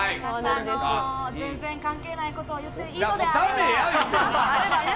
全然関係ないこと言っていいのであれば。